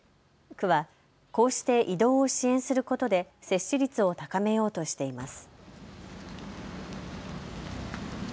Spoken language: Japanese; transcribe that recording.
区はこうして移動を支援することで接種率を高めようとしています。